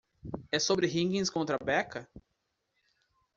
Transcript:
E sobre Higgins contra Becca?